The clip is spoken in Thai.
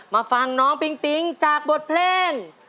มาฟังน้องปิ๊งปิ๊งจากบทเพลง